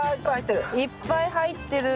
いっぱい入ってる。